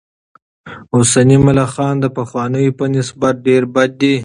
اوسني ملخان د پخوانیو په نسبت ډېر بد دي.